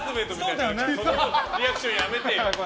そのリアクションやめてよ。